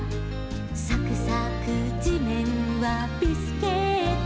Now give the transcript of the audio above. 「さくさくじめんはビスケット」